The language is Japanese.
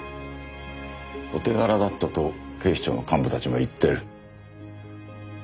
「お手柄だった」と警視庁の幹部たちも言ってる。